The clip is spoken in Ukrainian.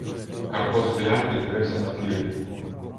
Карпо стояв і дивився на півня.